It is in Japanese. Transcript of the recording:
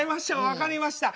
わかりました。